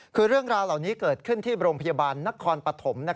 คือเรื่องราวเหล่านี้เกิดขึ้นที่โรงพยาบาลนครปฐม